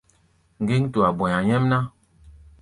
Ŋgéŋ tua bɔ̧i̧a̧ nyɛ́mná.